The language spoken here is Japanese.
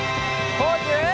ポーズ！